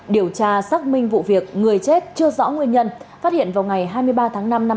điều tra xác minh vụ việc người chết chưa rõ nguyên nhân phát hiện vào ngày hai mươi ba tháng năm năm hai nghìn hai mươi ba